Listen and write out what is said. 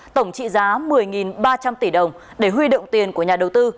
tổng trị giá một mươi ba trăm linh tỷ đồng để huy động tiền của nhà đầu tư